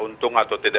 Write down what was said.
untung atau tidak